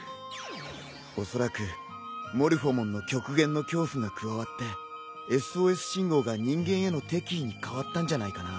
おそらくモルフォモンの極限の恐怖が加わってＳＯＳ信号が人間への敵意に変わったんじゃないかな。